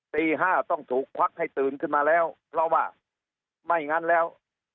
ตีห้าต้องถูกควักให้ตื่นขึ้นมาแล้วเพราะว่าไม่งั้นแล้ว